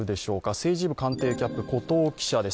政治部艦艇キャップ、後藤記者です